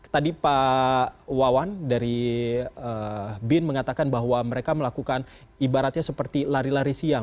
tadi pak wawan dari bin mengatakan bahwa mereka melakukan ibaratnya seperti lari lari siang